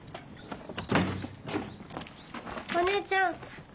お姉ちゃん。